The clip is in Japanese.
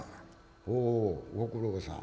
「おご苦労さん。